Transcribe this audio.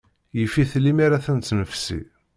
Yif-it limmer ad sent-nefsi.